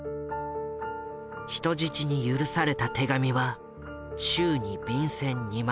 人質に許された手紙は週に便箋２枚分。